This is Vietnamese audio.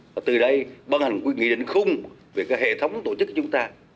và từ đây bân hành một cái nghị định khung về các hệ thống tổ chức của chúng ta